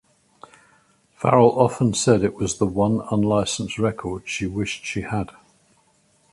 Farrell often said it was the one unlicensed record she wished she had.